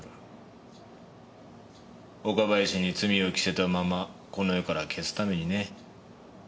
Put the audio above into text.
岡林に罪をきせたままこの世から消すためにね。